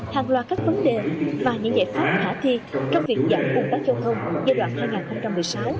hàng loạt các vấn đề và những giải pháp hạ thi trong việc giảm ủn tắc giao thông giai đoạn hai nghìn một mươi sáu hai nghìn hai mươi